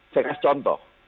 saya kasih contoh